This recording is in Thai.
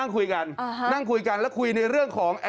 คุยกันนั่งคุยกันแล้วคุยในเรื่องของ